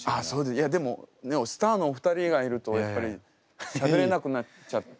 いやでもスターのお二人がいるとやっぱりしゃべれなくなっちゃってて。